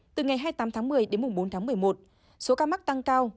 từ ngày hai mươi tám tháng một mươi đến bốn tháng một mươi một số ca mắc tăng cao